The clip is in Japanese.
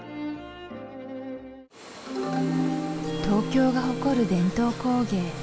東京が誇る伝統工芸